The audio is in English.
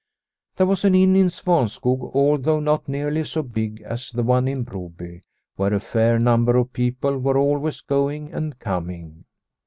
There was an inn in Svanskog, although not nearly so big as the one in Broby, where a fair number of people were always going and coming.